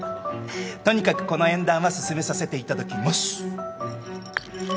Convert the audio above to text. とにかくこの縁談は進めさせていただきます。